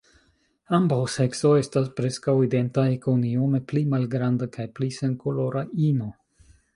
Ambaŭ seksoj estas preskaŭ identaj kun iome pli malgranda kaj pli senkolora ino.